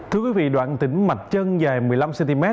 thưa quý vị đoạn tỉnh mạch chân dài một mươi năm cm